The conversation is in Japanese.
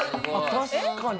確かに。